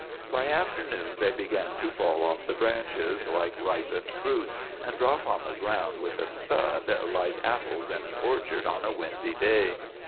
By afternoon they began to fall off the branches like ripened fruit, and drop on the ground with a thud like apples in an orchard on a windy day.